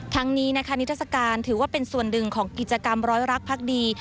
ทั้งนี้นะคะนิทัศกาลถือว่าเป็นส่วนหนึ่งของกิจกรรมร้อยรักพักดี